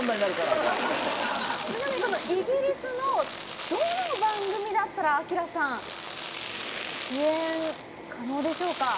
ちなみにこのイギリスの、どの番組だったらアキラさん、出演可能でしょうか？